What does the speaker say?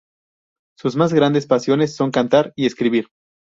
Sus más grandes pasiones son cantar y escribir.